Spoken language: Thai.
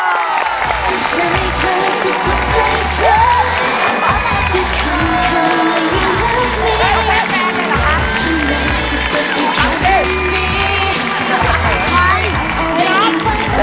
สวัสดีครับ